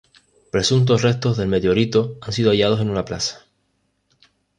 Presuntos restos del meteorito han sido hallados en una plaza.